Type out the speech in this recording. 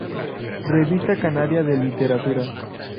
Revista canaria de literatura.